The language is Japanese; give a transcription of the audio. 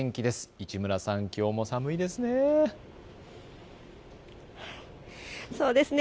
市村さん、きょうも寒いですね。